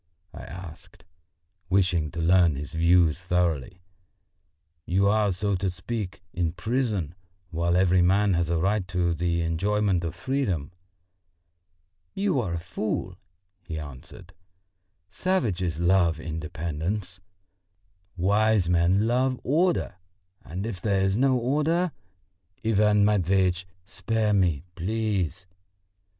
I asked, wishing to learn his views thoroughly. "You are, so to speak, in prison, while every man has a right to the enjoyment of freedom." "You are a fool," he answered. "Savages love independence, wise men love order; and if there is no order...." "Ivan Matveitch, spare me, please!"